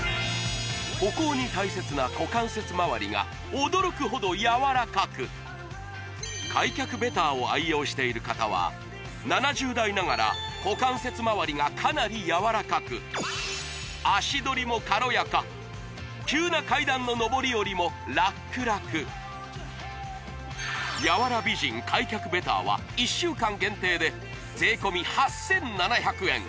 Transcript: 歩行に大切な股関節周りが驚くほど柔らかく開脚ベターを愛用している方は７０代ながら股関節周りがかなり柔らかく足取りも軽やか急な階段の上り下りもラックラク柔ら美人開脚ベターは１週間限定で税込８７００円